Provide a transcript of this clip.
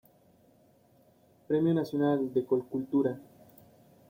Premio Nacional de Colcultura.